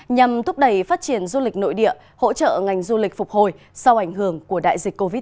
nhằm thúc đẩy phát triển du lịch nội địa hỗ trợ ngành du lịch phục hồi sau ảnh hưởng của đại dịch covid một mươi